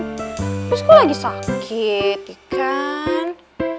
terus gue lagi sakit gitu kan